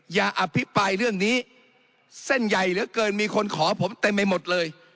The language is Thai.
อภิปรายเรื่องนี้เส้นใหญ่เหลือเกินมีคนขอผมเต็มไปหมดเลย